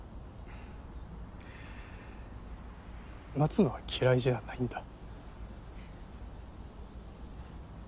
待つのは嫌いじゃないんだ。